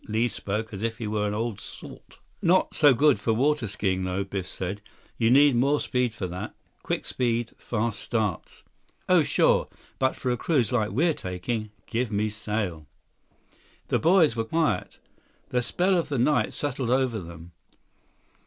Li spoke as if he were an old salt. "Not so good for water skiing, though," Biff said. "You need more speed for that, quick speed, fast starts." "Oh, sure. But for a cruise like we're taking, give me sail." The boys were quiet. The spell of the night settled over them.